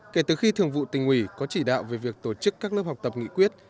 kể từ khi thường vụ tình ủy có chỉ đạo về việc tổ chức các lớp học tập nghị quyết